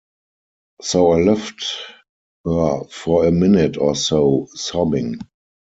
So I left her for a minute or so sobbing.